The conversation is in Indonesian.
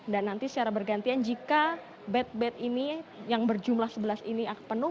dan nanti secara bergantian jika bed bed ini yang berjumlah sebelas ini penuh